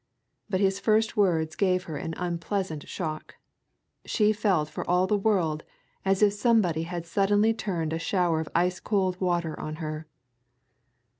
But his first words gave her an unpleasant shock she felt for all the world as if somebody had suddenly turned a shower of ice cold water on her.